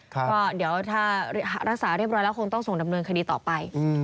ก็เดี๋ยวถ้ารักษาเรียบร้อยแล้วคงต้องส่งดำเนินคดีต่อไป